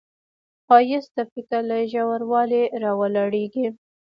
ښایست د فکر له ژوروالي راولاړیږي